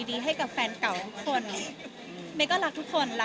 ก่อนเมเป็นแฟนเค้าเมก็เชียร์